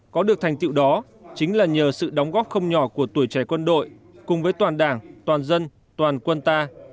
có được thành tiệu đó chính là nhờ sự đóng góp không nhỏ của tuổi trẻ quân đội cùng với toàn đảng toàn dân toàn quân ta